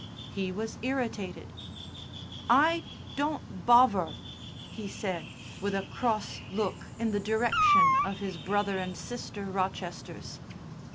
He was irritated. "I don't bovver," he said, with a cross look in the direction of his brother and sister Rochesters.